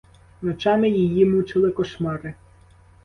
Ночами її мучили кошмари.